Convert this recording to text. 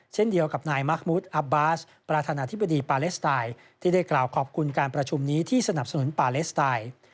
เช่นเดียวกับนายมาร์คมุทอัพบาสประธานาธิบดีปาเลสไตน์ที่ได้กล่าวขอบคุณการประชุมนี้ที่สนับสนุนปาเลสไตน์